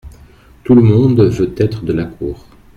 Tout le monde veut être de la cour.